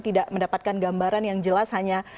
tidak mendapatkan gambaran yang jelas hanya